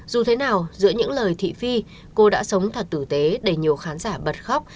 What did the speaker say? dù thế nào giữa những lời thị phi cô đã sống thật tử tế để nhiều khán giả bật khóc